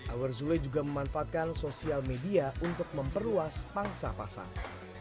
awer zule juga memanfaatkan sosial media untuk memperluas pangsa pasang